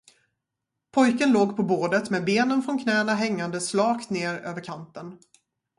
Pojken låg på bordet med benen från knäna hängande slakt ned över kanten.